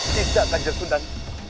tidak tanja sundan